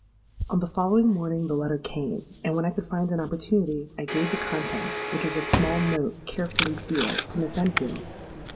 "On the following morning the letter came: and when I could find an opportunity, I gave the contents (which was a small note carefully sealed) to Miss Enfield.